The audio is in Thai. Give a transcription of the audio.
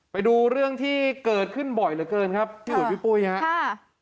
ไปดูเรื่องที่เกิดขึ้นบ่อยเหลือเกินครับพี่อุ๋ยพี่ปุ้ยครับ